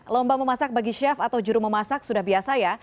lomba memasak bagi chef atau juru memasak sudah biasa ya